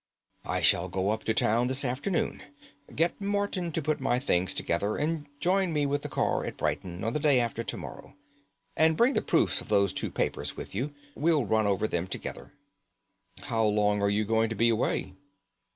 I shall go up to town this afternoon. Get Morton to put my things together, and join me with the car at Brighton on the day after to morrow. And bring the proofs of those two papers with you. We'll run over them together." "How long are you going to be away?"